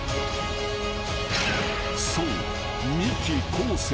［そう］